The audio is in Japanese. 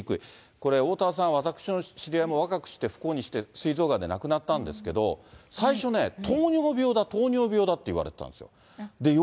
これ、おおたわさん、私の知り合いも、若くして不幸にしてすい臓がんで亡くなったんですけど、最初ね、糖尿病だ、糖尿病だって言われてたんですよ。